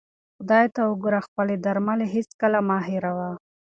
خدای ته وګوره او خپلې درملې هیڅکله مه هېروه.